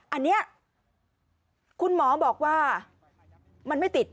อันนี้คุณหมอบอกว่ามันไม่ติด